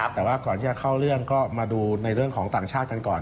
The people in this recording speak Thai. แต่ว่าก่อนที่จะเข้าเรื่องก็มาดูในเรื่องของต่างชาติกันก่อน